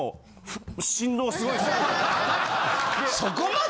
そこまで？